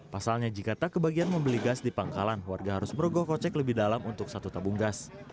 pasalnya jika tak kebagian membeli gas di pangkalan warga harus merogoh kocek lebih dalam untuk satu tabung gas